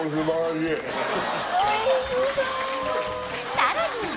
さらに！